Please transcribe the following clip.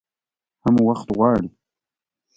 هم وخت غواړي .